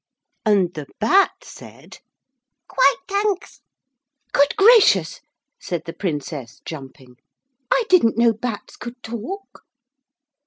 and the Bat said: 'Quite, thanks.' 'Good gracious,' said the Princess jumping. 'I didn't know bats could talk.'